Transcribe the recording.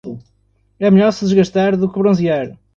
É melhor se desgastar do que bronzear.